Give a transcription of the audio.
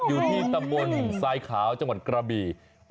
อยู่ที่ตำบลทรายขาวจังหวัดกระบี่